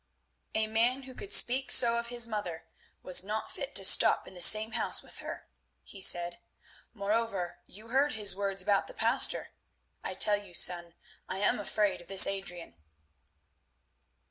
"A man who could speak so of his own mother, was not fit to stop in the same house with her," he said; "moreover, you heard his words about the pastor. I tell you, son, I am afraid of this Adrian."